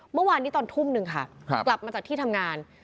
เมื่อวานนี้ตอนทุ่มหนึ่งค่ะกลับมาจากที่ทำงาน